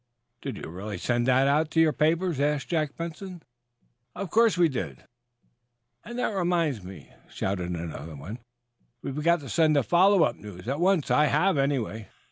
"Did you really send that to your papers?" asked Jack Benson, some of his glee showing. "Of course we did." "And that reminds me," shouted another. "We've got to send the follow up news, at once. I have, anyway."